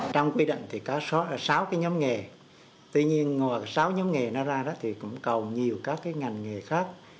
trong quy định thì có sáu nhóm nghề tuy nhiên sáu nhóm nghề nó ra thì cũng cầu nhiều các ngành nghề khác